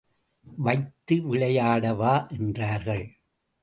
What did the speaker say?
வைத்து விளையாடவா என்றார்கள்.